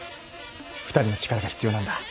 ２人の力が必要なんだ。